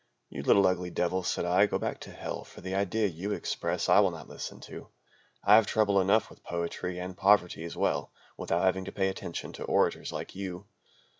"You little ugly Devil," said I, "go back to Hell For the idea you express I will not listen to: I have trouble enough with poetry and poverty as well, Without having to pay attention to orators like you.